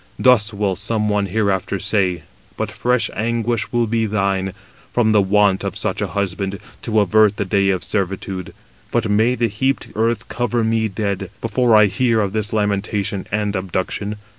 Thus will some one hereafter say; but fresh anguish will be thine, from the want of such a husband, to avert the day of servitude. But may the heaped earth cover me dead, before I hear of this lamentation and abduction."